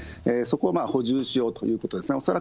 そこを補充しようということですね。